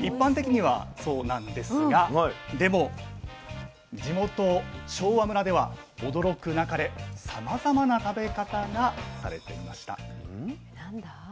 一般的にはそうなんですがでも地元昭和村では驚くなかれさまざまな食べ方がされていました。